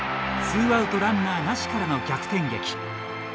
ツーアウトランナーなしからの逆転劇。